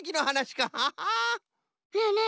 ねえねえ